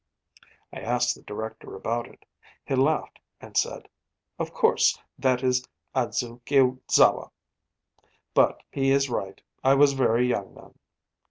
I asked the director about it. He laughed and said, 'Of course that is Adzukizawa! But he is right: I was very young then.'